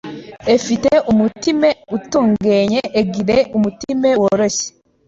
efi te umutime utungenye, egire umutime woroshye